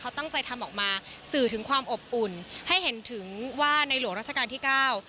เขาตั้งใจทำออกมาสื่อถึงความอบอุ่นให้เห็นถึงว่าในหลวงราชการที่เก้า